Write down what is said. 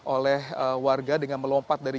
oleh warga dengan melompat dari